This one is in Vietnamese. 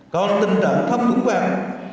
còn tình trạng thâm thủng vang